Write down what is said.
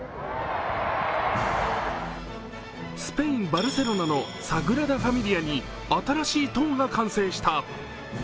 スペイン・バルセロナのサグラダ・ファミリアに新しい塔が完成した。